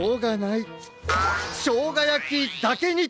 しょうがやきだけに！